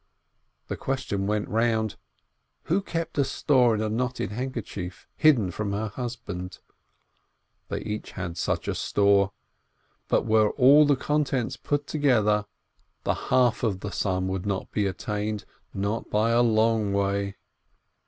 The question went round: Who kept a store in a knotted handkerchief, hidden from her husband? They each had such a store, but were all the contents put together, the half of the sum would not be attained, not by a long way.